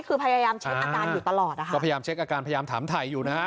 คือพยายามเช็คอาการอยู่ตลอดนะคะก็พยายามเช็คอาการพยายามถามถ่ายอยู่นะฮะ